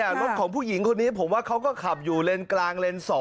แต่รถของผู้หญิงคนนี้ผมว่าเขาก็ขับอยู่เลนกลางเลนส์๒